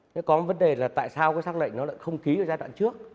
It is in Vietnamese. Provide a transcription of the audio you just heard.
nó có vấn đề là tại sao cái sắc lệnh nó lại không ký ở giai đoạn trước